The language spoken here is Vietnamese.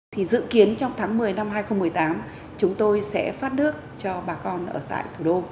thì dự kiến trong tháng một mươi năm hai nghìn một mươi tám chúng tôi sẽ phát nước cho bà con ở tại thủ đô